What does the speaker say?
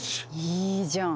いいじゃん！